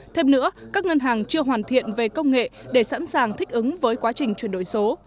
thêm nữa các ngân hàng chưa hoàn thiện về công nghệ để sẵn sàng thích ứng với quá trình chuyển đổi số